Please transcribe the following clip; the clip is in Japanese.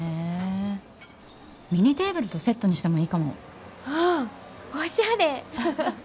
ミニテーブルとセットにしてもいいかも。ああおしゃれ！